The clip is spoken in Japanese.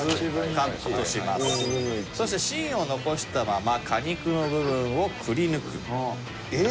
そして芯を残したまま果肉の部分をくりぬく。